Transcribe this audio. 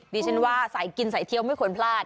ดิฉันว่าสายกินสายเที่ยวไม่ควรพลาด